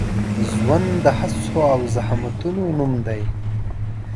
ژوند د هڅو او زحمتونو نوم دی.